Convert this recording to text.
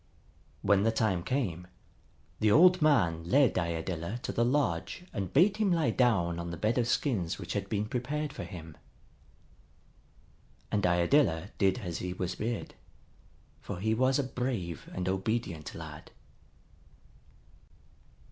When the time came, the old man led Iadilla to the lodge and bade him lie down on the bed of skins which had been prepared for him. And Iadilla did as he was bid, for he was a brave and obedient lad.